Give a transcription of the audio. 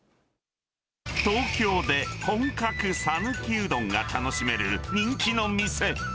東京で本格讃岐うどんが楽しめる人気の店。